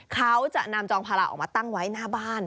เขาจะนำจองภาระออกมาตั้งไว้หน้าบ้าน